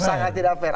sangat tidak fair